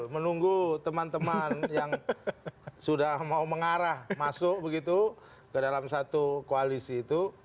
menunggu teman teman yang sudah mau mengarah masuk begitu ke dalam satu koalisi itu